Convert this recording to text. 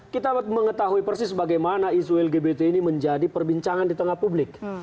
kita mengetahui persis bagaimana isu lgbt ini menjadi perbincangan di tengah publik